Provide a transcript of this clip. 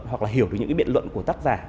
hoặc là hiểu được những cái biện luận của tác giả